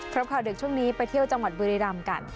ข่าวเด็กช่วงนี้ไปเที่ยวจังหวัดบุรีรำกัน